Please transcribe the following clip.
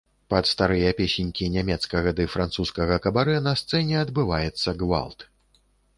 Пад старыя песенькі нямецкага ды французскага кабарэ на сцэне адбываецца гвалт.